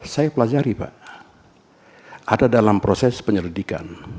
saya pelajari pak ada dalam proses penyelidikan